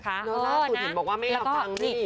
แล้วล่าสุดเห็นบอกว่าไม่เอาตังค์นี่